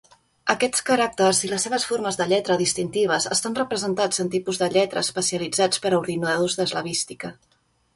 Aquests caràcters i les seves formes de lletra distintives estan representats en tipus de lletra especialitzats per a ordinadors d'eslavística.